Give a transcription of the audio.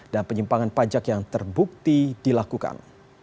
dan penyimpangan pajak yang terbukti dilakukan